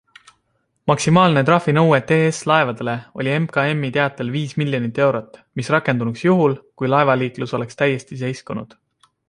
Maksimaalne trahvinõue TS Laevadele oli MKMi teatel viis miljonit eurot, mis rakendunuks juhul, kui laevaliiklus oleks täiesti seiskunud.